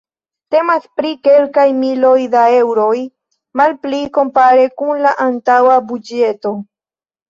Temas pri kelkaj miloj da eŭroj malpli, kompare kun la antaŭa buĝeto.